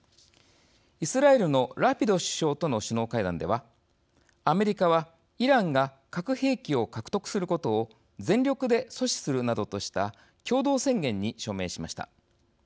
イスラエルのラピド首相との首脳会談では「アメリカは、イランが核兵器を獲得することを全力で阻止する」などとした共同宣言に署名しました。